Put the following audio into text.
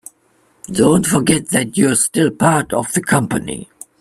Don't forget that you're still part of the company.